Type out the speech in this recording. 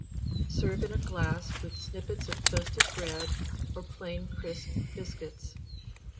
Serve in a glass with sippets of toasted bread or plain crisp biscuits.